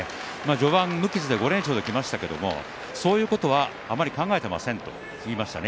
序盤、無傷で５連勝できましたけれどもそういうことはあまり考えていませんと言いましたね。